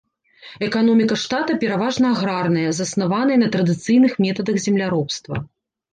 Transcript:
Эканоміка штата пераважна аграрная, заснаваная на традыцыйных метадах земляробства.